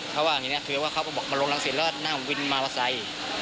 เพราะว่าอย่างงี้นะเขาก็บอกมาลงลังศิษฐ์แล้วนั่งวินมาระไส่